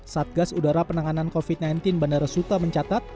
satgas udara penanganan covid sembilan belas bandara suta mencatat